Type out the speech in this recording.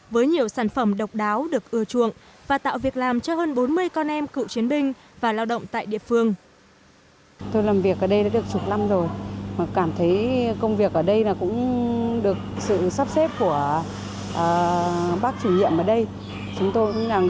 với nhiều sản phẩm độc đáo được ưa chuộng và tạo việc làm cho hơn bốn mươi con em cựu chiến binh và lao động tại địa phương